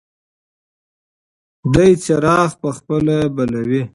دی څراغ په خپله بلوي.